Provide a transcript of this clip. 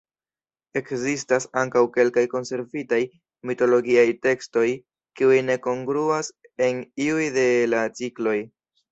Ekzistas ankaŭ kelkaj konservitaj mitologiaj tekstoj kiuj ne kongruas en iuj de la cikloj.